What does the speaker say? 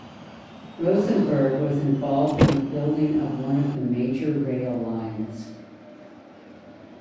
Rosenberg was involved in the building of one of the major rail lines.